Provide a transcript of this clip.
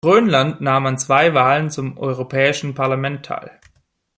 Grönland nahm an zwei Wahlen zum Europäischen Parlament teil.